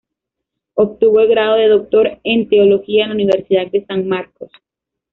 Obtuvo el grado de Doctor en Teología en la Universidad de San Marcos.